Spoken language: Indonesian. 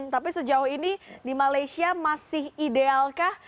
tapi sejauh ini di malaysia masih idealkah